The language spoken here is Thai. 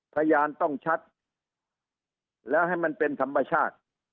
พยานต้องชัดแล้วให้มันเป็นธรรมชาติ